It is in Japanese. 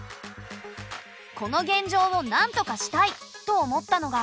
この現状をなんとかしたいと思ったのが。